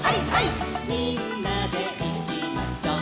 「みんなでいきましょう」